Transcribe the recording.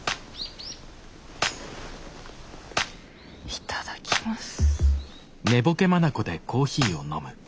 いただきます。